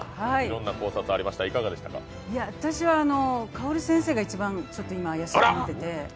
私は薫先生が一番、怪しいと思ってて。